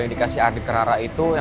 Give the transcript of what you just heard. gila banget ardi po nya